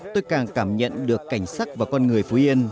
tôi càng cảm nhận được cảnh sắc và con người phú yên